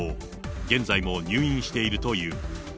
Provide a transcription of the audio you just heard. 現在も入院しているという。